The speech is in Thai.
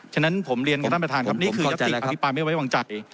ฉะนั้นผมเรียนของท่านประธานครับนี่คือยัตติอภิปรายไม่ไว้วางใจ